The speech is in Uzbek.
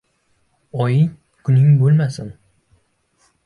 Oying-kuning bo'lmasin.